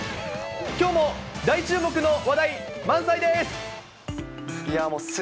きょうも大注目の話題満載です。